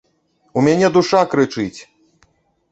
У мяне душа крычыць!